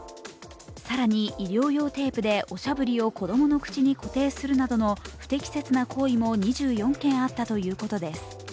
更に医療用テープでおしゃぶりを子供の口に固定するなどの不適切な行為も２４件あったということです。